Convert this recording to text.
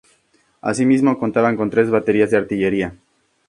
Asimismo contaban con tres baterías de artillería.